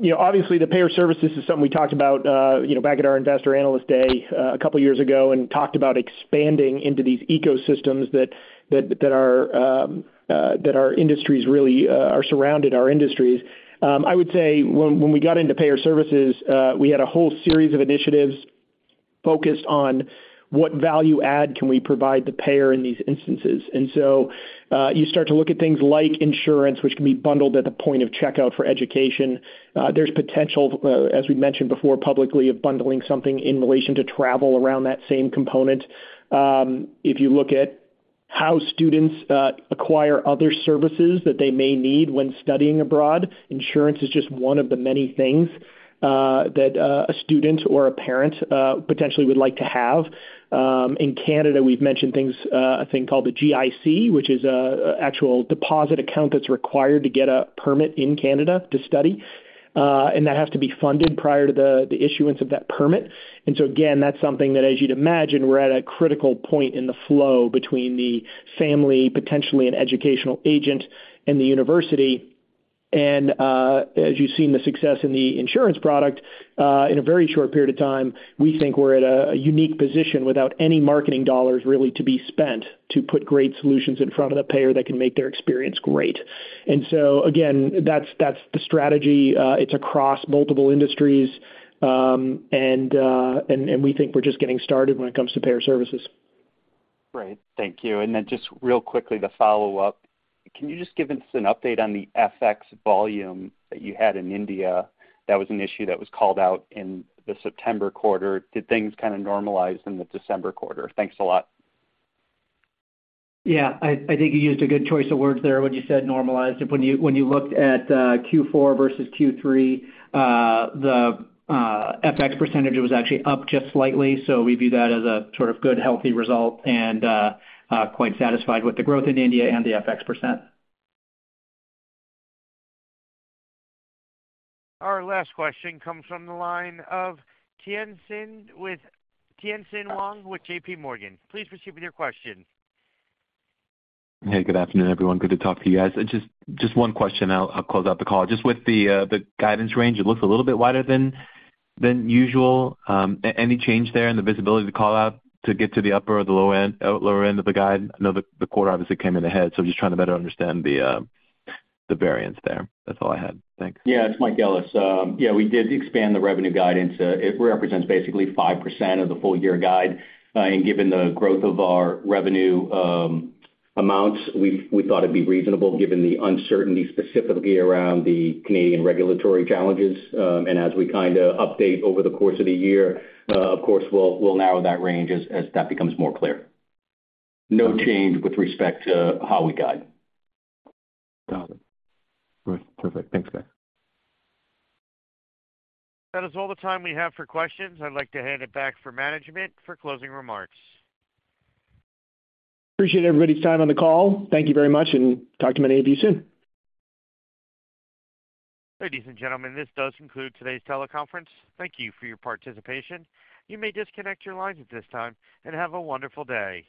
you know, obviously, the payer services is something we talked about, you know, back at our Investor Analyst Day, a couple of years ago, and talked about expanding into these ecosystems that are that our industries really are surrounding our industries. I would say when we got into payer services, we had a whole series of initiatives focused on what value add can we provide the payer in these instances. And so, you start to look at things like insurance, which can be bundled at the point of checkout for education. There's potential, as we mentioned before publicly, of bundling something in relation to travel around that same component. If you look at how students acquire other services that they may need when studying abroad, insurance is just one of the many things that a student or a parent potentially would like to have. In Canada, we've mentioned things, a thing called the GIC, which is actual deposit account that's required to get a permit in Canada to study, and that has to be funded prior to the issuance of that permit. And so again, that's something that, as you'd imagine, we're at a critical point in the flow between the family, potentially an educational agent and the university. As you've seen the success in the insurance product, in a very short period of time, we think we're at a unique position without any marketing dollars really to be spent, to put great solutions in front of the payer that can make their experience great. So again, that's the strategy. It's across multiple industries, and we think we're just getting started when it comes to payer services. Great. Thank you. And then just real quickly, the follow-up. Can you just give us an update on the FX volume that you had in India? That was an issue that was called out in the September quarter. Did things kind of normalize in the December quarter? Thanks a lot. Yeah. I think you used a good choice of words there when you said normalized. When you looked at Q4 versus Q3, the FX percentage was actually up just slightly, so we view that as a sort of good, healthy result and quite satisfied with the growth in India and the FX percent. Our last question comes from the line of Tien-Tsin Huang with J.P. Morgan. Please proceed with your question. Hey, good afternoon, everyone. Good to talk to you guys. Just, just one question, I'll, I'll close out the call. Just with the guidance range, it looks a little bit wider than, than usual. Any change there in the visibility to call out to get to the upper or the low end, lower end of the guide? I know the quarter obviously came in ahead, so just trying to better understand the variance there. That's all I had. Thanks. Yeah, it's Mike Ellis. Yeah, we did expand the revenue guidance. It represents basically 5% of the full-year guide. Given the growth of our revenue amounts, we thought it'd be reasonable, given the uncertainty specifically around the Canadian regulatory challenges. As we kind of update over the course of the year, of course, we'll narrow that range as that becomes more clear. No change with respect to how we guide. Got it. Great. Perfect. Thanks, guys. That is all the time we have for questions. I'd like to hand it back for management for closing remarks. Appreciate everybody's time on the call. Thank you very much, and talk to many of you soon. Ladies and gentlemen, this does conclude today's teleconference. Thank you for your participation. You may disconnect your lines at this time, and have a wonderful day.